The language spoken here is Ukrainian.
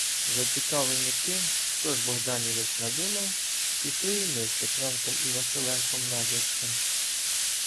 Зацікавлені тим, що ж богданівець надумав, пішли і ми з Петренком і Василенком назирцем.